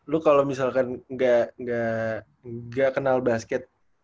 lo kalau misalkan gak gak gak kenal basket